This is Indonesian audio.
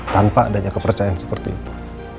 tanpa adanya kepercayaan seperti itu